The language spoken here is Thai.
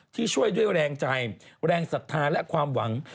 ช่วยด้วยแรงใจแรงศรัทธาและความหวัง